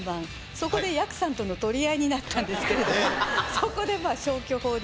そこでやくさんとの取り合いになったんですけれどもそこでまあ消去法で。